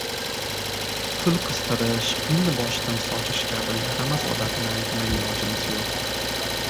pul qistirish, pulni boshdan sochish kabi yaramas odatni aytmay ilojimiz yo‘q.